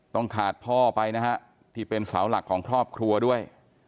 ต้องขาดพ่อไปนะฮะที่เป็นเสาหลักของครอบครัวด้วย